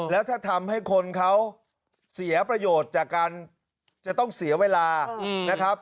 แล้วถ้าทำให้คนเขาเสียประโยชน์จากการจะต้องเสียเวลานะครับ